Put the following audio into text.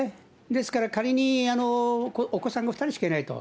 ですから、仮に、お子さんが２人しかいないと。